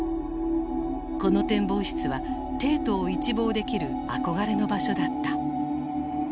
この展望室は帝都を一望できる憧れの場所だった。